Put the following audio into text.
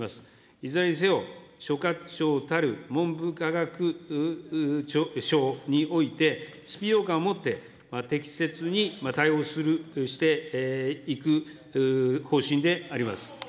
いずれにせよ、所轄庁たる文部科学省において、スピード感を持って、適切に対応していく方針であります。